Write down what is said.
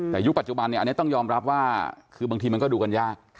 แต่ยุคปัจจุบันอันนี้ต้องยอมรับว่าคือบางทีมันก็ดูกันยาก